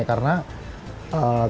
karena kepekaan film